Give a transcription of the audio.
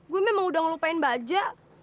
gue memang udah ngelupain baja